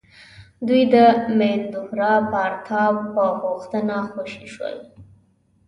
دوی د مهیندرا پراتاپ په غوښتنه خوشي شول.